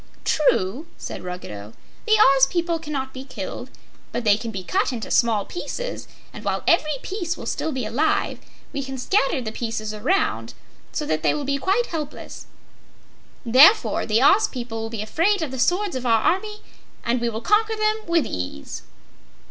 "True," said Ruggedo. "The Oz people cannot be killed, but they can be cut into small pieces, and while every piece will still be alive, we can scatter the pieces around so that they will be quite helpless. Therefore, the Oz people will be afraid of the swords of our army, and we will conquer them with ease."